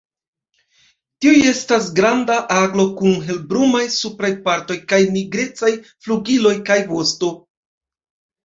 Tiu estas granda aglo kun helbrunaj supraj partoj kaj nigrecaj flugiloj kaj vosto.